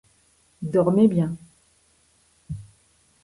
Dormez bien.